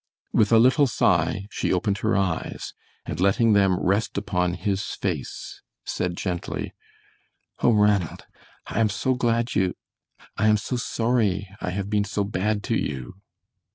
With a little sigh she opened her eyes, and letting them rest upon his face, said, gently, "Oh, Ranald, I am so glad you I am so sorry I have been so bad to you."